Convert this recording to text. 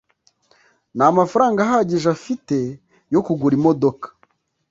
nta mafaranga ahagije afite yo kugura imodoka